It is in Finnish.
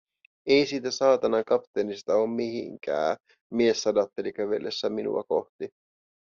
“Ei siitä saatanan kapteenista oo mihinkää!”, mies sadatteli kävellessään minua kohti.